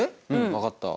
分かった。